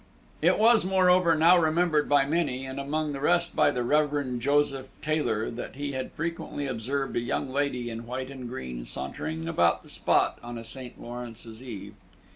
It was, moreover, now remembered by many, and among the rest by the Rev. Joseph Taylor, that he had frequently observed a young lady, in white and green, sauntering about the spot on a St. Lawrence's Eve.